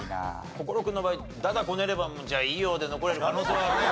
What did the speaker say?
心君の場合駄々こねれば「じゃあいいよ」で残れる可能性はある。